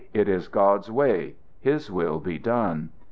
It is God's way. His will be done!"